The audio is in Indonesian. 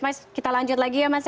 mas kita lanjut lagi ya mas ya